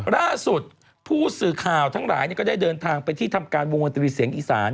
ล่าสุดผู้สื่อข่าวทั้งหลายก็ได้เดินทางไปที่ทำการวงดนตรีเสียงอีสาน